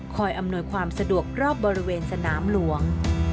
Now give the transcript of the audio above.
อำนวยความสะดวกรอบบริเวณสนามหลวง